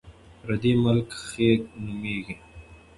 پردی ملک خیګ نومېږي.